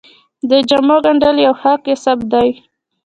د جامو ګنډل یو ښه کسب دی